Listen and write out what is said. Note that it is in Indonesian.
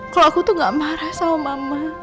kalau aku tuh gak marah sama mama